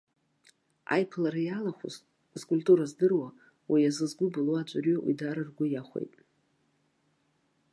Аиԥылара иалахәыз, зкультура здыруа, уи азы згәы былуа аӡәырҩы уи даара ргәы иахәеит.